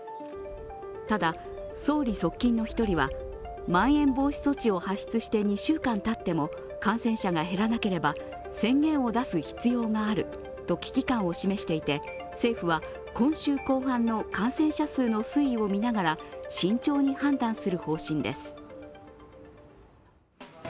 ただ、総理側近の１人は、まん延防止措置を発出して２週間たっても感染者が減らなければ宣言を出す必要があると危機感を示していて政府は今週後半の感染者数の推移を見ながら慎重に判断する方針です。